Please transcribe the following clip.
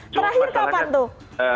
terakhir kapan tuh